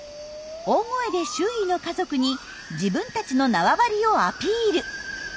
大声で周囲の家族に自分たちの縄張りをアピール。